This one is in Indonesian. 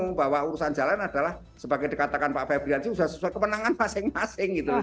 tidak kalau urusan jalan adalah sebagai dikatakan pak fabrihan sih sudah sesuai kemenangan masing masing gitu loh